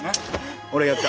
俺がやった。